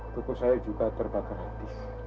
toko saya juga terbakar habis